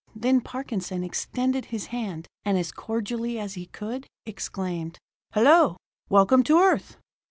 Then Parkinson extended his hand, and as cordially as he could, exclaimed: "Hello! Welcome to Earth!"